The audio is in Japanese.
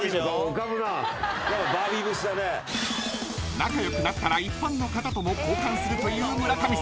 ［仲良くなったら一般の方とも交換するという村上さん］